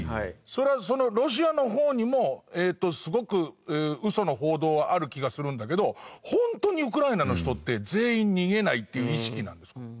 それはそのロシアの方にもすごくウソの報道ある気がするんだけどホントにウクライナの人って全員逃げないっていう意識なんですか？